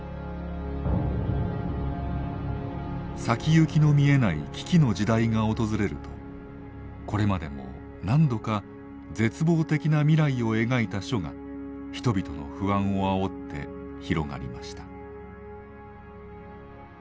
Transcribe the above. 先行きの見えない危機の時代が訪れるとこれまでも何度か絶望的な未来を描いた書が人々の不安をあおって広がりました。